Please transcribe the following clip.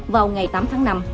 vào ngày tám tháng năm